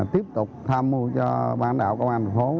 tiếp tục tham mưu cho ban đạo công an thành phố